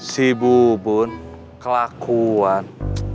si bubun kelakuan